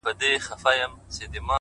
• خداى پاماني كومه،